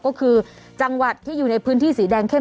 ก็คือจังหวัดที่อยู่ในพื้นที่สีแดงเข้ม